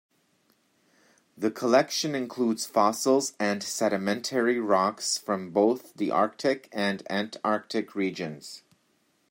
The collection includes fossils and sedimentary rocks from both the Arctic and Antarctic regions.